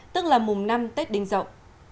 tức là mùng năm tết đinh dậu